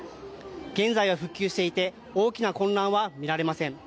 現在は復旧していて大きな混乱は見られません。